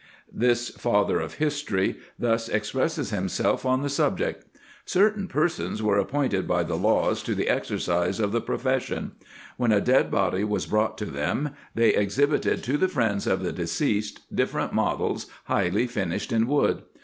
This father of history thus expresses himself on the subject : ''Certain persons were appointed by the laws to the exercise of this 166 RESEARCHES AND OPERATIONS profession. When a dead body was brought to them, they ex hibited to the friends of the deceased different models, highly finished in wood.